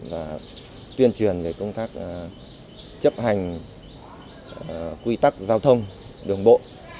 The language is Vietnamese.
và tuyên truyền về công tác chấp hành quy tắc giao thông đường bộ